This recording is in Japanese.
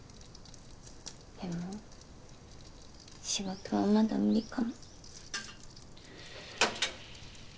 でも仕事はまだ無理かも。